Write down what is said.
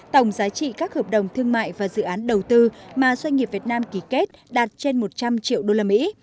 tổng giá trị các hợp đồng thương mại và dự án đầu tư mà doanh nghiệp việt nam ký kết đạt trên một trăm linh triệu đô la mỹ